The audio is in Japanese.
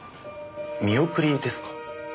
見送りですか？